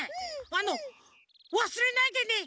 あの「わすれないでね。